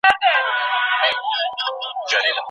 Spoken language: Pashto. قناعت د انسان لپاره تر ټولو لویه شتمني ده.